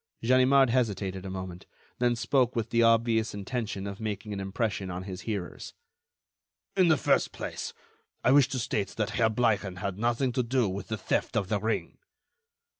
Ganimard hesitated a moment, then spoke with the obvious intention of making an impression on his hearers: "In the first place, I wish to state that Herr Bleichen had nothing to do with the theft of the ring."